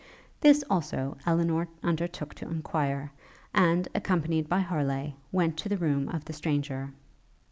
This, also, Elinor undertook to enquire, and, accompanied by Harleigh, went to the room of the stranger.